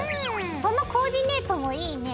このコーディネートもいいね。